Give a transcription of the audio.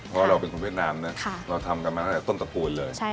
เพราะเราเป็นคนเวียดนามนะเราทำกันมาตั้งแต่ต้นตระกูลเลย